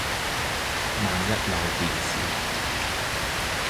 萬一漏電時